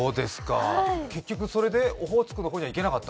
結局、それでオホーツクの方には行けなかった？